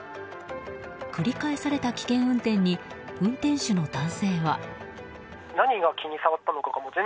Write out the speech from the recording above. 繰り返された危険運転に運転手の男性は。